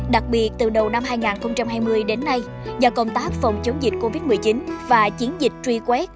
đặc biệt từ đầu năm hai nghìn hai mươi đến nay do công tác phòng chống dịch covid một mươi chín và chiến dịch truy quét